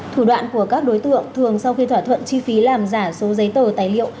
thủ đoạn của các đối tượng thường sau khi thỏa thuận chi phí làm giả số giấy tờ tài liệu